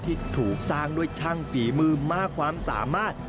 ที่ถูกสร้างด้วยช่างฝีมือมากความสามารถ